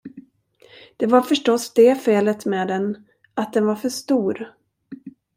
Det var förstås det felet med den, att den var för stor.